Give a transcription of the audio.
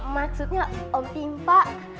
maksudnya om pimpa